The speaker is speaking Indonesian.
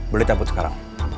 beli cabut sekarang